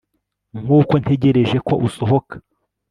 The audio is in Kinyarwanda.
nkuko ntegereje ko usohoka